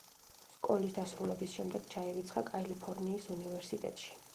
სკოლის დასრულების შემდეგ ჩაირიცხა კალიფორნიის უნივერსიტეტში.